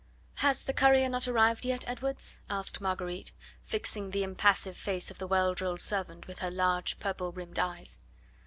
"Has the courier not arrived yet, Edwards?" asked Marguerite, fixing the impassive face of the well drilled servant with her large purple rimmed eyes.